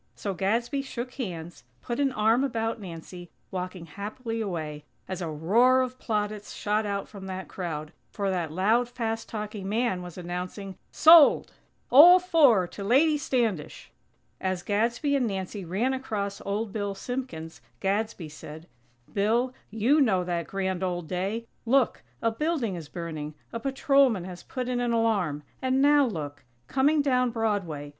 So Gadsby shook hands, put an arm about Nancy, walking happily away, as a roar of plaudits shot out from that crowd, for that loud, fast talking man was announcing: "Sold! All four to Lady Standish!!" As Gadsby and Nancy ran across Old Bill Simpkins, Gadsby said: "Bill, you know that grand old day. Look! A building is burning! A patrolman has put in an alarm! And now look! Coming down Broadway!